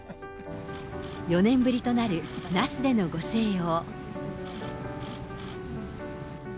４年ぶりとなる那須でのご静養。